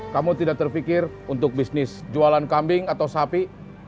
kamu tidak terpikir untuk bisnis jualan kambing atau sapi